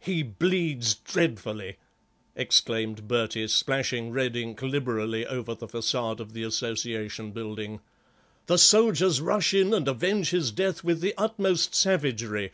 "He bleeds dreadfully," exclaimed Bertie, splashing red ink liberally over the façade of the Association building. "The soldiers rush in and avenge his death with the utmost savagery.